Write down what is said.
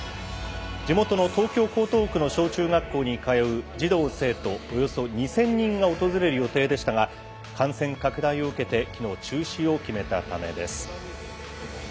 地元の東京、江東区の小中学校に通う児童、生徒およそ２０００人が訪れる予定でしたが感染拡大を受けてきのう、中止を決めたためです。